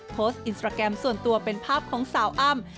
โพสต์อินสตราแกรมส่วนตัวเป็นภาพของสาวอ้ำ